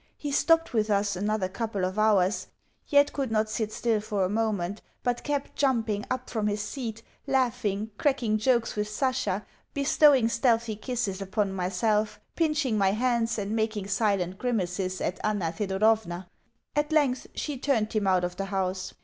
He stopped with us another couple of hours, yet could not sit still for a moment, but kept jumping up from his seat, laughing, cracking jokes with Sasha, bestowing stealthy kisses upon myself, pinching my hands, and making silent grimaces at Anna Thedorovna. At length, she turned him out of the house.